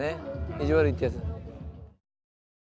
意地悪いってやつは。